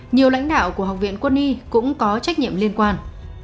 nhiều lãnh đạo của học viện quân y cũng có trách nhiệm liên quan